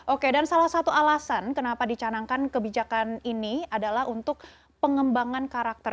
oke dan salah satu alasan kenapa dicanangkan kebijakan ini adalah untuk pengembangan karakter